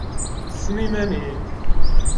Ssen iman-im!